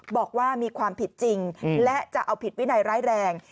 บอกว่ามีความผิดจริงและจะเอาผิดวินัยร้ายแรง